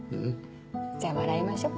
じゃあ笑いましょ。